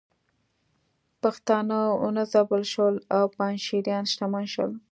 پښتانه وځپل شول او پنجشیریان شتمن شول